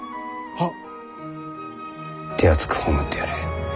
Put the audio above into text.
はっ。